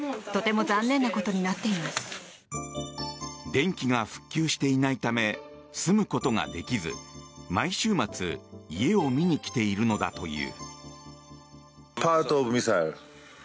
電気が復旧していないため住むことができず毎週末家を見に来ているのだという。